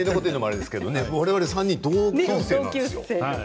３人同級生なんですよね。